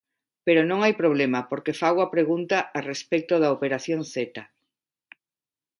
Pero non hai problema, porque fago a pregunta a respecto da Operación Zeta.